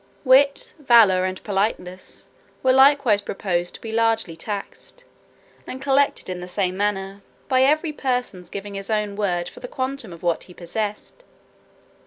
Wit, valour, and politeness, were likewise proposed to be largely taxed, and collected in the same manner, by every person's giving his own word for the quantum of what he possessed.